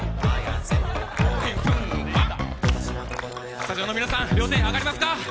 スタジオの皆さん、両手あがりますか？